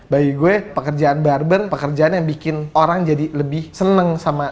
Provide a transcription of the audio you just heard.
bagi gue pekerjaan barbern pekerjaan yang bikin orang jadi lebih seneng sama